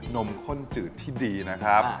มข้นจืดที่ดีนะครับ